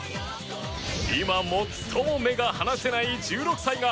今、最も目が離せない１６歳が